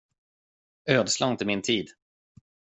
Ödsla inte min tid.